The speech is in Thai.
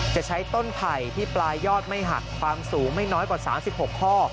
จะใช้ต้นไผ่ที่ปลายยอดไม่หักความสูงไม่น้อยกว่า๓๖ข้อ